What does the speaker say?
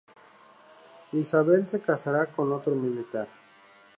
Isabel se casará con otro militar.